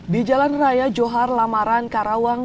di jalan raya johar lamaran karawang